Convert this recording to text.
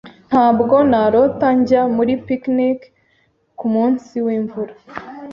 Ntabwo narota njya muri picnic kumunsi wimvura.